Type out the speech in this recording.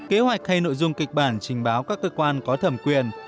kế hoạch hay nội dung kịch bản trình báo các cơ quan có thẩm quyền